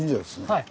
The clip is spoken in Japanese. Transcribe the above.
はい。